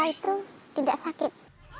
masyarakat juga beranggapan kita itu tidak sakit